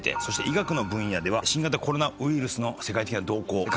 そして医学の分野では新型コロナウイルスの世界的な動向。